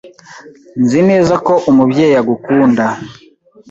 Nzi neza ko Umubyeyi agukunda.